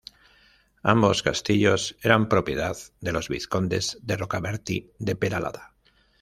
Ambos castillos eran propiedad de los vizcondes de Rocabertí de Peralada.